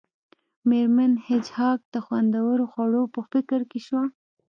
میرمن هیج هاګ د خوندورو خوړو په فکر کې شوه